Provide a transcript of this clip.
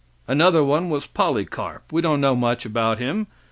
Another one was Polycarp. We don't know much about him.